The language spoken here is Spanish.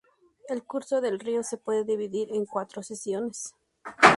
El curso del río se puede dividir en cuatro secciones.